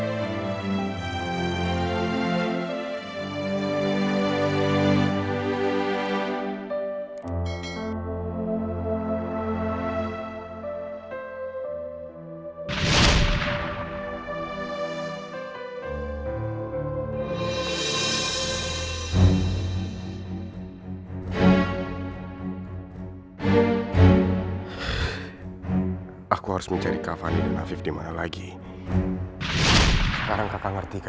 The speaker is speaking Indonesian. assalamualaikum warahmatullahi wabarakatuh